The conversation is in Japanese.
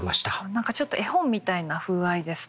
何かちょっと絵本みたいな風合いですね。